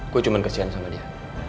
gue cuman kesian sama dia